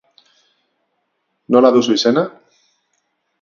Nola duzu izena?